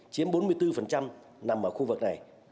chiếm bốn mươi bốn nằm ở khu vực này